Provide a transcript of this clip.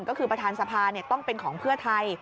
ก็คือประธานสภาต้องเป็นของเพื่อไทย